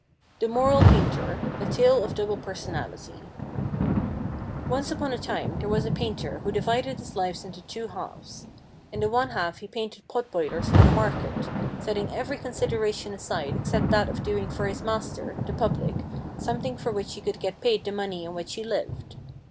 The Moral Painter—A Tale of Double Personality Once upon a time there was a painter who divided his life into two halves; in the one half he painted pot boilers for the market, setting every consideration aside except that of doing for his master, the public, something for which he could get paid the money on which he lived.